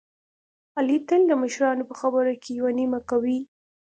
علي تل د مشرانو په خبره کې یوه نیمه کوي.